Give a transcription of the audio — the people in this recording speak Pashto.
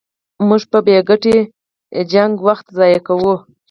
موږ په بې ګټې جګړو وخت ضایع کوو.